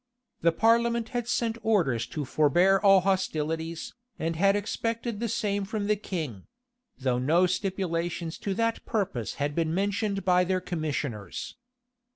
The parliament had sent orders to forbear all hostilities, and had expected the same from the king; though no stipulations to that purpose had been mentioned by their commissioners.